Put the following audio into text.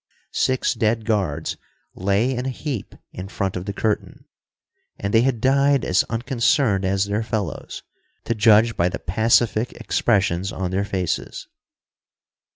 Six dead guards lay in a heap in front of the curtain, and they had died as unconcerned as their fellows, to judge by the pacific expressions on their faces.